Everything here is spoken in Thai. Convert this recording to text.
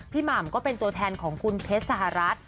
หม่ำก็เป็นตัวแทนของคุณเพชรสหรัฐ